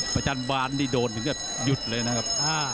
จันบานนี่โดนถึงกับหยุดเลยนะครับ